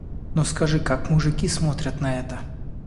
Но скажи, как мужики смотрят на это?